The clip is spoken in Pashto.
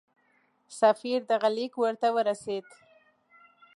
سفیر دغه لیک ورته ورسېد.